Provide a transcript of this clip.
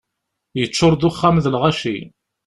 Yeččur-d uxxam d lɣaci.